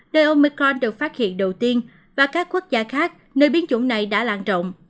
nơi omicron được phát hiện đầu tiên và các quốc gia khác nơi biến chủng này đã lan trộn